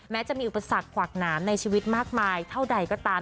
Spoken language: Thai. จะมีอุปสรรคขวากหนามในชีวิตมากมายเท่าใดก็ตาม